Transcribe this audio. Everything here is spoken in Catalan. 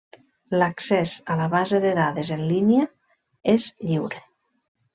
L'accés a la base de dades en línia és lliure.